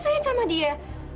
saya sama dia